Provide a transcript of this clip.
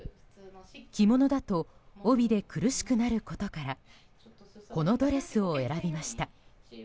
着物だと帯で苦しくなることからこのドレスを選びました。